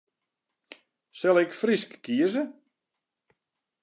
Sil ik Frysk kieze?